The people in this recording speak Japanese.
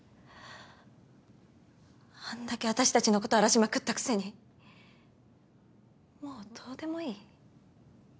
あんだけ私たちのこと荒らしまくったくせにもうどうでもいい？